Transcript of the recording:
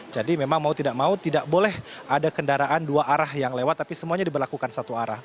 jadi memang mau tidak mau tidak boleh ada kendaraan dua arah yang lewat tapi semuanya diberlakukan satu arah